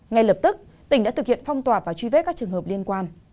ngay lập tức tỉnh đã thực hiện phong tỏa và truy vết các trường hợp liên quan